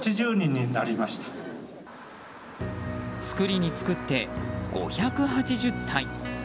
作りに作って、５８０体！